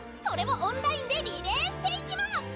それをオンラインでリレーしていきます！」。